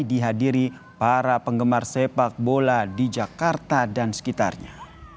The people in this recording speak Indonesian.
dihadiri para penggemar sepak bola di jakarta dan sekitarnya